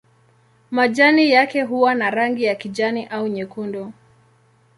Majani yake huwa na rangi ya kijani au nyekundu.